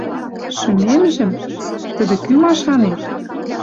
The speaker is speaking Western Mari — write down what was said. Шӱмемжӹм? Тӹдӹ кӱ, машанет?